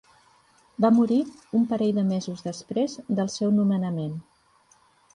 Va morir un parell de mesos després del seu nomenament.